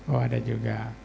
oh ada juga